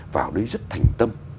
vào đấy rất thành tâm